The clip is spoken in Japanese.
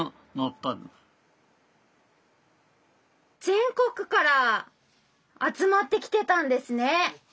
全国から集まってきてたんですね。